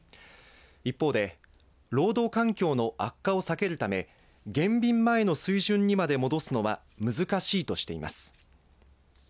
一方で労働環境の悪化を避けるため減便前の水準にまで戻すのは難しいとしています。